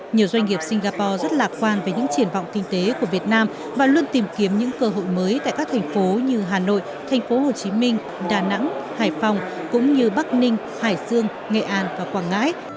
nhiều doanh nghiệp singapore rất lạc quan về những triển vọng kinh tế của việt nam và luôn tìm kiếm những cơ hội mới tại các thành phố như hà nội thành phố hồ chí minh đà nẵng hải phòng cũng như bắc ninh hải dương nghệ an và quảng ngãi